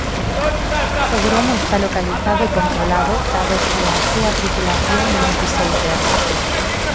O gromo está localizado e controlado dado que a súa tripulación non pisou terra.